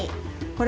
これ？